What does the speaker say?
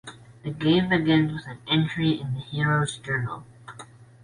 The game begins with an entry in the hero's journal.